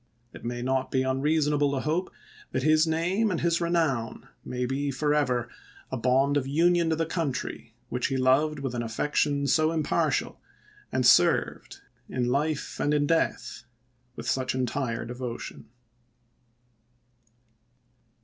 It may not be unreasonable to hope that his name and his renown may be forever a bond of union to the country which he loved with an affection so impartial, and served, in life and in death, with such entire devotion.